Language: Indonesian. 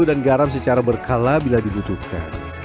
dan garam secara berkala bila dibutuhkan